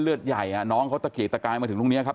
เลือดใหญ่น้องเขาตะเกียกตะกายมาถึงตรงนี้ครับ